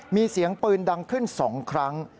มีเสียงปืนดังขึ้น๒ครั้ง